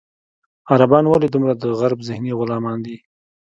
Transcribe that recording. عربان ولې دومره د غرب ذهني غلامان دي.